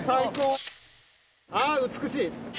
ああ美しい！